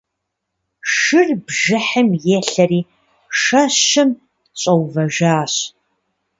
Шыр бжыхьым елъэри шэщым щӀэувэжащ.